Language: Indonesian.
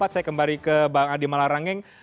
saya kembali ke bang adi malarangeng